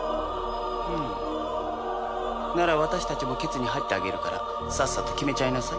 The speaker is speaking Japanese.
うーんなら私たちも決に入ってあげるからさっさと決めちゃいなさい。